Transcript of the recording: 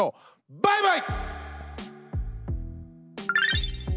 バイバイ！